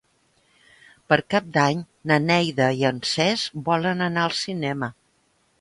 Per Cap d'Any na Neida i en Cesc volen anar al cinema.